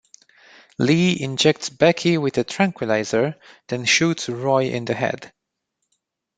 Lee injects Becky with a tranquilizer then shoots Roy in the head.